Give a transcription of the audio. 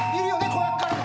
子役からの。